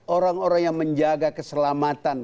orang orang yang menjaga keselamatan